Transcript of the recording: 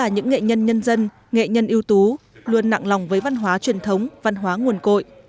nhân nhân dân nghệ nhân ưu tú luôn nặng lòng với văn hóa truyền thống văn hóa nguồn cội